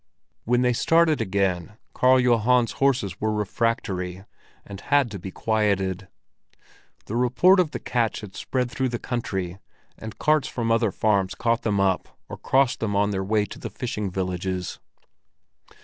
When they started again, Karl Johan's horses were refractory, and had to be quieted. The report of the catch had spread through the country, and carts from other farms caught them up or crossed them on their way to the fishing villages.